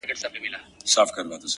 • هر توري چي یې زما له شوګیری سره ژړله,